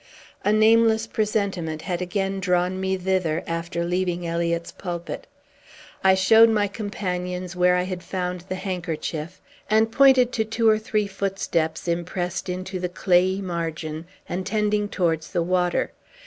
A nameless presentiment had again drawn me thither, after leaving Eliot's pulpit. I showed my companions where I had found the handkerchief, and pointed to two or three footsteps, impressed into the clayey margin, and tending towards the water.